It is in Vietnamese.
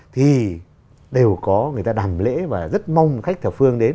thì đều có người ta đàm lễ và rất mong khách thập phương đến